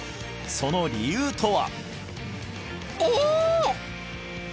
その理由とは！？